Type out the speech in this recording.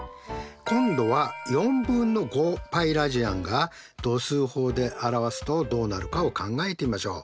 今度は４分の５πラジアンが度数法で表すとどうなるかを考えてみましょう。